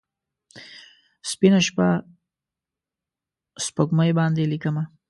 سپینه شپه، سپوږمۍ باندې لیکمه